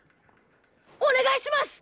おねがいします！